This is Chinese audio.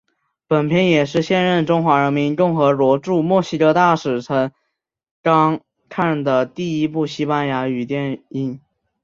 本片也是现任中华人民共和国驻墨西哥大使曾钢看的第一部西班牙语电影。